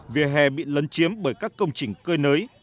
vỉa hè bị lấn chiếm bởi các công trình cơi nới